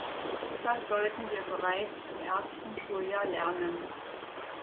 Das sollten wir bereits im ersten Schuljahr lernen.